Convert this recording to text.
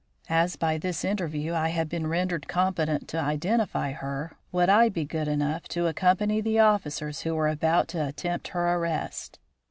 As by this interview I had been rendered competent to identify her, would I be good enough to accompany the officers who were about to attempt her arrest?